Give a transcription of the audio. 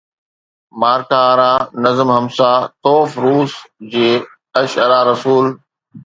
مارڪا آرا نظم Hamzatov, روس جي اشعرا رسول